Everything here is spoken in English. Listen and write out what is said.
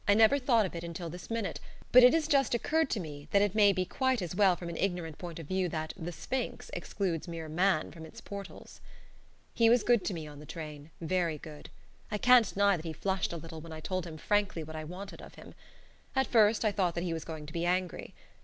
I never thought of it until this minute, but it has just occurred to me that it may be quite as well from an ignorant point of view that "The Sphinx" excludes mere man from its portals. He was good to me on the train, very good indeed. I can't deny that he flushed a little when I told him frankly what I wanted of him. At first I thought that he was going to be angry.